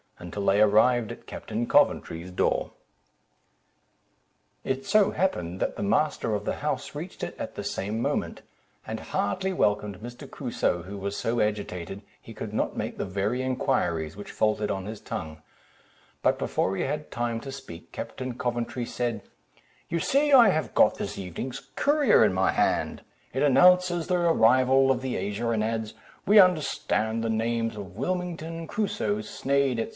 till they arrived at Captain Coventry's door. It so happened, that the master of the house reached it at the same moment, and heartily welcomed Mr. Crusoe, who was so agitated, he could not make the very inquiries which faltered on his tongue; but before he had time to speak, Captain Coventry said—"You see I have got this evening's Courier in my hand; it announces the arrival of the Asia, and adds, 'We understand the names of Wilmington, Crusoe, Sneyd, &c.